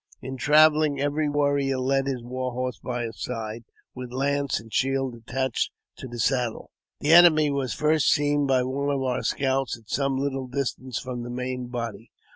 In travelling, every warrior led his war horse by his side, with lance and shield attached to the saddle. The enemy was first seen by one of our scouts at some little distance from the main body.